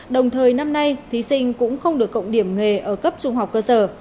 đồng thời năm nay thí sinh cũng không được cộng điểm nghề ở cấp trung học cơ sở